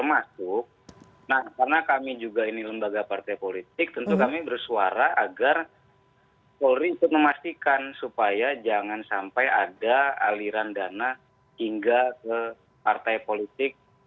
nah karena kami juga ini lembaga partai politik tentu kami bersuara agar polri untuk memastikan supaya jangan sampai ada aliran dana hingga ke partai politik